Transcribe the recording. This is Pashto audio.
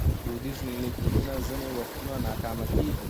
دودیز میتودونه ځینې وختونه ناکامه کېږي.